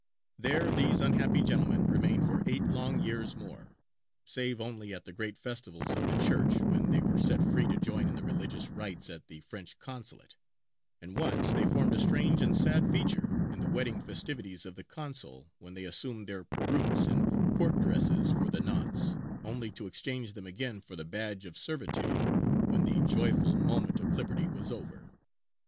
There these unhappy gentlemen remained for eight long years more, save only at the great festivals of the Church, when they were set free to join in the religious rites at the French consulate; and once they formed a strange and sad feature in the wedding festivities of the consul, when they assumed their perukes and court dresses for the nonce, only to exchange them again for the badge of servitude when the joyful moment of liberty was over.